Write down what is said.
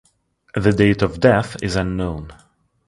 The date of death is unknown.